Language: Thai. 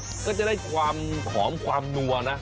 ก็จะได้ความหอมความนัวนะ